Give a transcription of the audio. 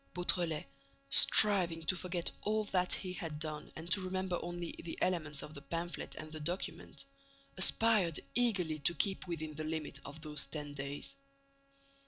Beautrelet, striving to forget all that he had done and to remember only the elements of the pamphlet and the document, aspired eagerly to keep within the limit of those ten days.